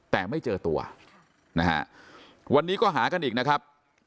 แต่ไม่เจอตัวนะฮะวันนี้ก็หากันอีกนะครับ